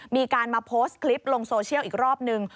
มีการมาโพสต์คลิปลงโซเชียลอีกรอบนึง